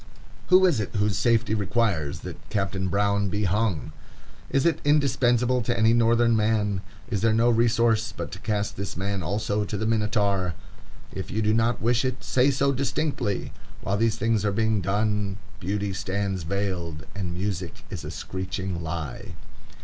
Who is it whose safety requires that Captain Brown be hung? Is it indispensable to any Northern man? Is there no resource but to cast these men also to the Minotaur? If you do not wish it, say so distinctly. While these things are being done, beauty stands veiled and music is a screeching lie.